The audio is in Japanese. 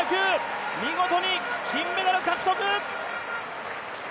見事に金メダル獲得！